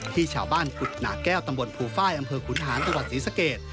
ที่ชาวบ้านกุฎหนาแก้วตำบลภูฟ้าลอำเภอขุนหานจังหวัดศรีสเกต